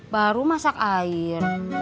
baru masak air